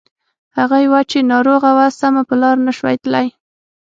هغه يوه چې ناروغه وه سمه په لاره نه شوه تللای.